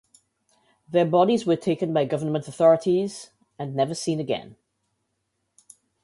Their bodies were taken by government authorities and never seen again.